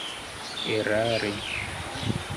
erari